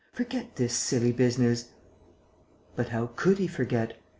Forget this silly business." But how could he forget it?